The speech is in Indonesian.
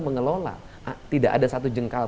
mengelola tidak ada satu jengkal